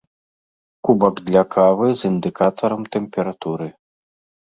Кубак для кавы з індыкатарам тэмпературы.